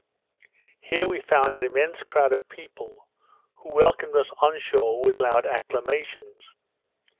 Here we found an immense crowd of people, who welcomed us on shore with loud acclamations.